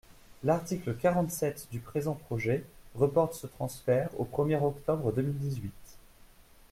L’article quarante-sept du présent projet reporte ce transfert au premier octobre deux mille dix-huit.